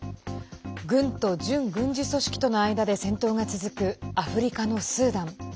軍と準軍事組織との間で戦闘が続くアフリカのスーダン。